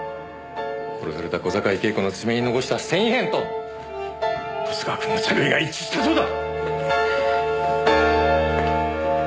殺された小坂井恵子の爪に残した繊維片と十津川君の着衣が一致したそうだ。